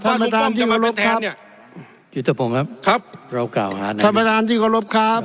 ว่าลุงป้อมจะมาเป็นแทนเนี่ยครับครับท่านประทานที่ขอรบครับ